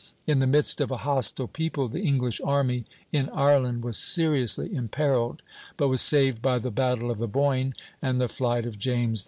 In the midst of a hostile people, the English army in Ireland was seriously imperilled, but was saved by the battle of the Boyne and the flight of James II.